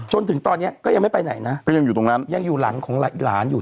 จนถึงตอนนี้ก็ยังไม่ไปไหนนะก็ยังอยู่ตรงนั้นยังอยู่หลังของหลานอยู่